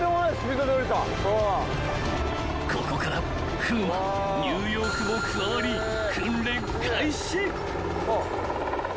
［ここから風磨ニューヨークも加わり訓練開始］